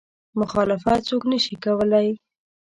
مخالفت څوک نه شي کولی.